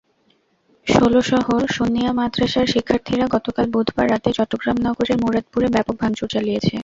ষোলশহর সুন্নিয়া মাদ্রাসার শিক্ষার্থীরা গতকাল বুধবার রাতে চট্টগ্রাম নগরের মুরাদপুরে ব্যাপক ভাঙচুর চালিয়েছে।